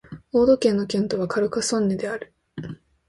オード県の県都はカルカソンヌである